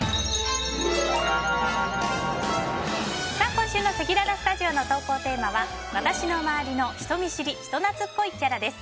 今週のせきららスタジオの投稿テーマは私の周りの人見知り・人懐っこいキャラです。